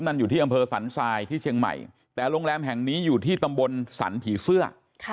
นั่นอยู่ที่อำเภอสันทรายที่เชียงใหม่แต่โรงแรมแห่งนี้อยู่ที่ตำบลสรรผีเสื้อ